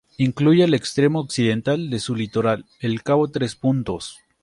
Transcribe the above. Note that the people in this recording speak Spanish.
Incluye el extremo occidental de su litoral, el Cabo Tres Puntos.